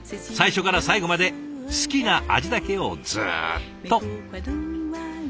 最初から最後まで好きな味だけをずっと。